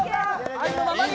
愛のままに！